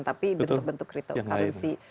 tapi bentuk bentuk cryptocurrency